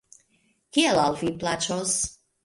Kiel al vi plaĉos.